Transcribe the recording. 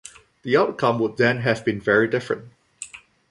The outcome would then have been very different.